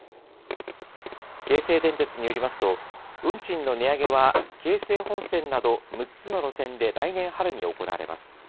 京成電鉄によりますと、運賃の値上げは京成本線など６つの路線で、来年春に行われます。